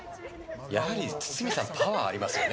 やはり堤さんパワーがありますよね。